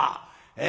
え